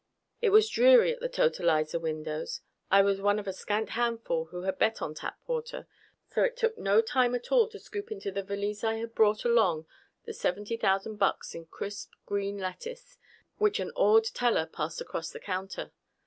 It was dreary at the totalizer windows. I was one of a scant handful who had bet on Tapwater, so it took no time at all to scoop into the valise I had brought along the seventy thousand bucks in crisp, green lettuce which an awed teller passed across the counter.